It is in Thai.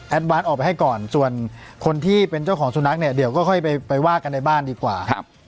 วาสออกไปให้ก่อนส่วนคนที่เป็นเจ้าของสุนัขเนี่ยเดี๋ยวก็ค่อยไปว่ากันในบ้านดีกว่า